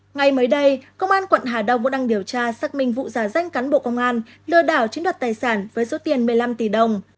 ngay mới đây công an quận hà đông vẫn đang điều tra xác minh vụ giả danh cán bộ công an lừa đảo chiếm đoạt tài sản với số tiền một mươi năm tỷ đồng